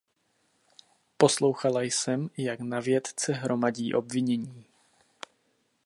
Poslouchala jsem, jak na vědce hromadí obvinění.